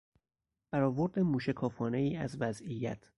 برآورد موشکافانهای از وضعیت